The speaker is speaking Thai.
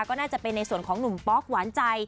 ก็น่าจะเป็นในส่วนของหนุ่มป๊อกหวานใจ